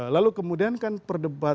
lalu kemudian kan perdebatannya